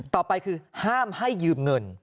ต่อไปคือห้ามให้ยืมเงิน